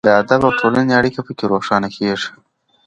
د ادب او ټولنې اړیکه پکې روښانه کیږي.